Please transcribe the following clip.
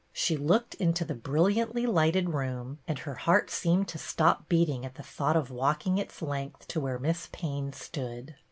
She looked into the brilliantly lighted room, and her heart seemed to stop beating at the thought of walking its length to where Miss Payne stood.